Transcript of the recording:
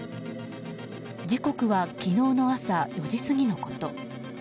時刻は昨日の朝４時過ぎのこと。